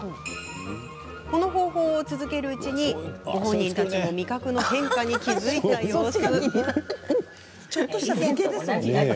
この方法を続けるうちにご本人も味覚の変化に気付いた様子。